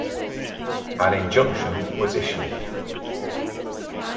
An injunction was issued.